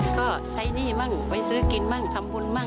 ก็ใช้หนี้บ้างไปซื้อกินบ้างทำบุญบ้าง